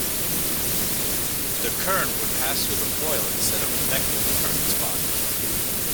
The current would pass through the foil instead of effecting the target's body.